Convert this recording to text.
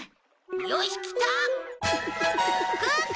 よしきた！